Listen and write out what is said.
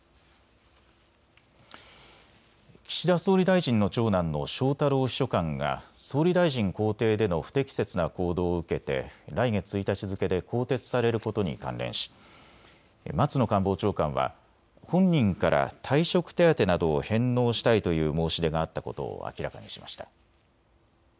岸田総理大臣の長男の翔太郎秘書官が総理大臣公邸での不適切な行動を受けて来月１日付けで更迭されることに関連し松野官房長官は本人から退職手当などを返納したいという申し出があったことを明らかにしました。